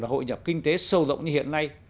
hội nhập kinh tế sâu rộng như hiện nay